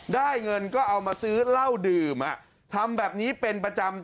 ได้เงินก็เอามาซื้อเหล้าดื่มทำแบบนี้เป็นประจำ